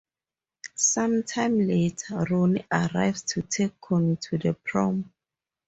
Some time later, Ronnie arrives to take Connie to the prom.